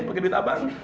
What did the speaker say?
pake duit abang